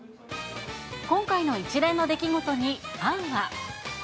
今回の一連の出来事にファンは。